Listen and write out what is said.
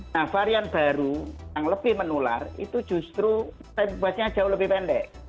nah varian baru yang lebih menular itu justru jauh lebih pendek